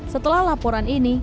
setelah laporan ini